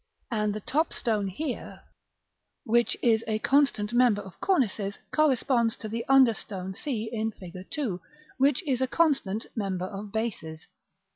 And the top stone here, which is a constant member of cornices, corresponds to the under stone c, in Fig. II., which is a constant member of bases.